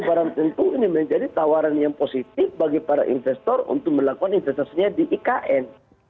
barang tentu ini menjadi tawaran yang positif bagi para investor untuk melakukan investasinya di ikn